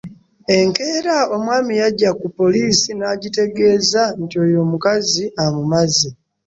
Enkeera omwami yajja ku poliisi n'agitegeeza nti oyo omukazi amumaze.